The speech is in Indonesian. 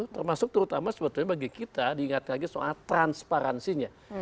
termasuk terutama sebetulnya bagi kita diingat lagi soal transparansinya